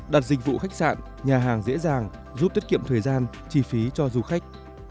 đặt dịch vụ khách sạn nhà hàng dễ dàng giúp tiết kiệm thời gian chi phí cho du khách